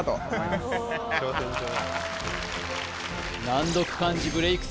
難読漢字ブレイク